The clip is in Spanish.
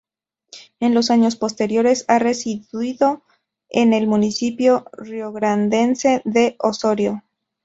En los años posteriores, ha residido en el municipio riograndense de Osório.